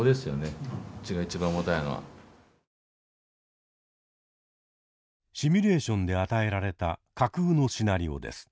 シミュレーションで与えられた架空のシナリオです。